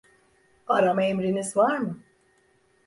Arama emriniz var mı?